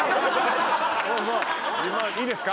いいですか？